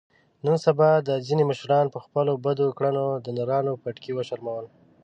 نن سبا دا ځنې مشرانو په خپلو بدو کړنو د نرانو پټکي و شرمول.